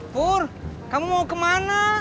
pur kamu mau kemana